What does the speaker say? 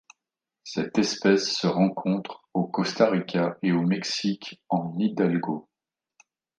Cette espèce se rencontre au Costa Rica et au Mexique en Hidalgo.